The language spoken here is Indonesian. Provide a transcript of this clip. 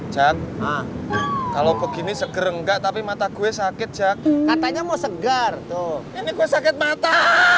jan ah kalau begini seger enggak tapi mata gue sakit jack katanya mau segar tuh ini gue sakit mata